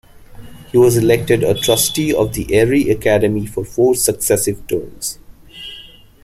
He was elected a trustee of the Erie Academy for four successive terms.